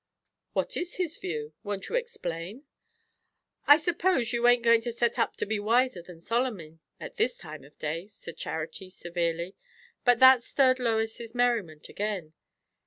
"What was his view? Won't you explain?" "I suppose you ain't going to set up to be wiser than Solomon, at this time of day," said Charity severely. But that stirred Lois's merriment again.